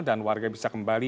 dan warga bisa kembali